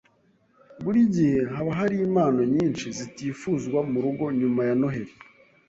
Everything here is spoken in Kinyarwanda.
Buri gihe haba hari impano nyinshi zitifuzwa murugo nyuma ya Noheri